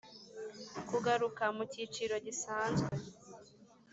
kugaruka mu cyiciro gisanzwe.